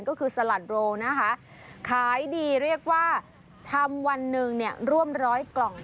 ก็คือสลัดโรนะคะขายดีเรียกว่าทำวันหนึ่งเนี่ยร่วมร้อยกล่อง